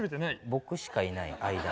僕しかいない間が。